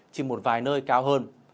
chỉ một vài nơi cao hơn